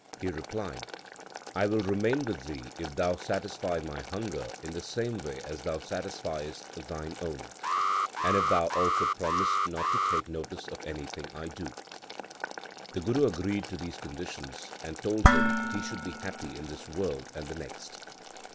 He replied, I will remain with thee if thou satisfy my hunger in the same way as thou satisfiest thine own ; and if thou also promise not to take notice of anything I do/ The Guru agreed to these conditions, and told him he should be happy in this world and the next.